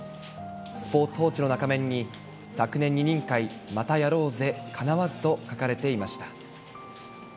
スポーツ報知の中面に、昨年、２人会、またやろうぜ、かなわずと書かれていました。